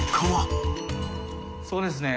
そうですね。